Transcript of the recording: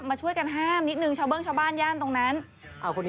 มาช่วยห้ามปรามกันน่ะนะคะ